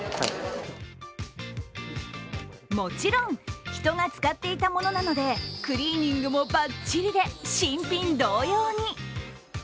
もちろん人が使っていたものなのでクリーニングもバッチリで新品同様に。